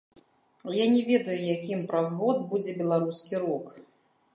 Я не ведаю, якім праз год будзе беларускі рок.